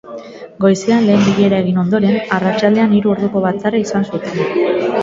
Goizean lehen bilera egin ondoren, arratsaldean hiru orduko batzarra izan zuten.